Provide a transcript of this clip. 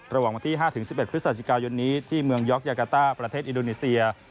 ระหว่างวันที่๕๑๑พฤศจิกายนนี้ที่เมืองยอกยากาต้าประเทศอินโดนีเซีย